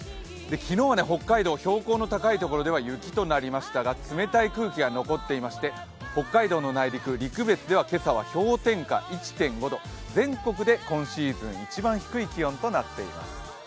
昨日は北海道、標高の高い所では雪となりましたが冷たい空気が残っていまして、北海道の内陸、陸別では今朝は氷点下１．５度、全国で今シーズン一番の冷え込みとなっています。